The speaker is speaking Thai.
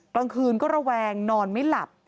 กลางคืนก็ระแวงนอนไม่หลับ